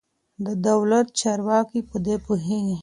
د دولت چارواکي په دې پوهېږي.